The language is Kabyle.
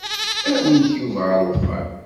Awimt Yuba ɣer uxxam.